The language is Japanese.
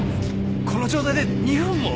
この状態で２分も！？